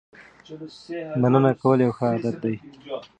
مننه کول یو ښه عادت دی.